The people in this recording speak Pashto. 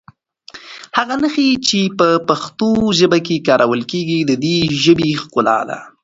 هغه نښې چې په پښتو ژبه کې کارول کېږي د دې ژبې ښکلا ده.